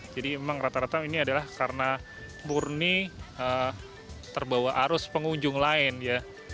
jadi memang rata rata ini adalah karena murni terbawa arus pengunjung lain ya